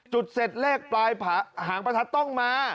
จุดเสร็จเลขปลายหางประทัดต้องมา